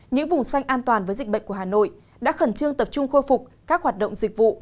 những vùng xanh an toàn với dịch bệnh của hà nội đã khẩn trương tập trung khôi phục các hoạt động dịch vụ